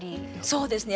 そうですね。